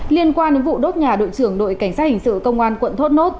liên quan đến vụ đốt nhà đội trưởng đội cảnh sát hình sự công an quận thốt nốt